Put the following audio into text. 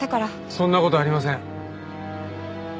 そんな事ありません。